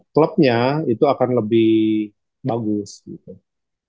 klubnya itu akan lebih bagus gitu